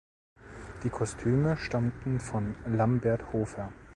Die Kostüme stammten von Lambert Hofer.